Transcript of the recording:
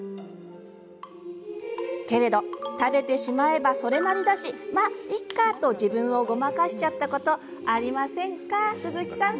けれど「食べてしまえばそれなりだし、まあ、いいか」と自分をごまかしちゃったことありませんか、鈴木さん？